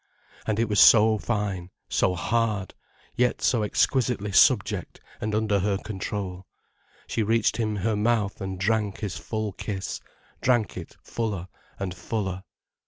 And it was so fine, so hard, yet so exquisitely subject and under her control. She reached him her mouth and drank his full kiss, drank it fuller and fuller.